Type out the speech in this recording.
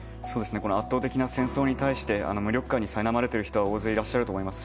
圧倒的な戦争に対して無力感にさいなまれている人は大勢いらっしゃると思います。